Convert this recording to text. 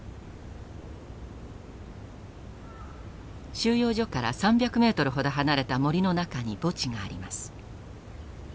収容所から３００メートルほど離れた森の中に墓地があります。